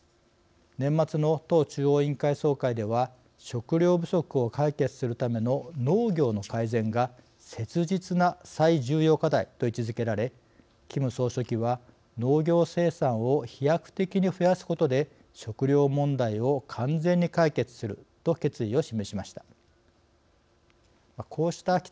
年末の党中央委員会総会では食糧不足を解決するための農業の改善が切実な最重要課題と位置づけられキム総書記は「農業生産を飛躍的に増やすことで食糧問題を完全に解決する」と決意を示しました。